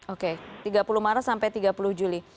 oke tiga puluh maret sampai tiga puluh juli